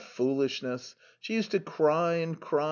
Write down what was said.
Foolishness. She used to sit and cry.